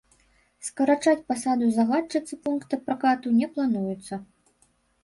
Скарачаць пасаду загадчыцы пункта пракату не плануецца.